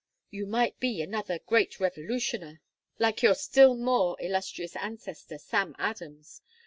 You might be another 'Great Revolutioner,' like your still more illustrious ancestor, Sam Adams.